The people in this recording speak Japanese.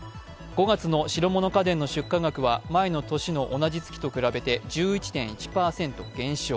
５月の白物家電の出荷額は前の年の同じ月と比べて１１．１％減少。